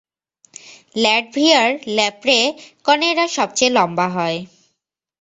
ল্যাটভিয়ার ল্যাপ্রেকনেরা সবচেয়ে লম্বা হয়।